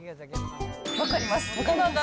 分かります。